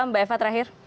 mbak eva terakhir